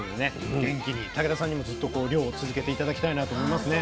元気に竹田さんにもずっと漁を続けて頂きたいなと思いますね。